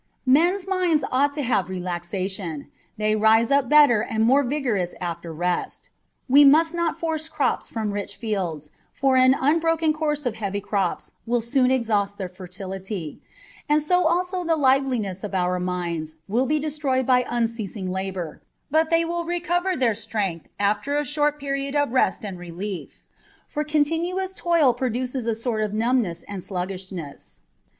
Men's minds ought to have relaxation : they rise up better and more vigorous after rest. We must not force crops from rich fields, for an un broken course of heavy crops will soon exhaust their fer tility, and so also the liveliness of our minds will be de troyed by unceasing labour, but they will recover their strength after a short period of rest and relief : for con tinuous toil produces a sort of numbness and sluggishness.